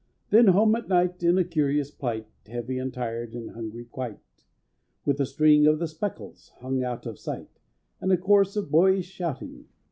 Then home at night in a curious plight— Heavy and tired and hungry quite— With a string of the "speckles" hung out of sight, And a chorus of boyish shouting.